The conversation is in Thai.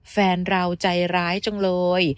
แฟนเราใจร้ายจังเลย